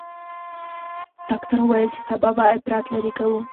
ډاکتر وويل چې سبا به اپرات لرې کوي.